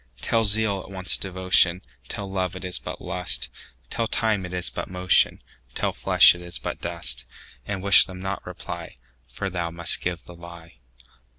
Tell zeal it wants devotion; Tell love it is but lust; Tell time it is but motion; Tell flesh it is but dust:And wish them not reply, For thou must give the lie.